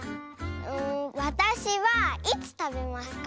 わたしはいつたべますか？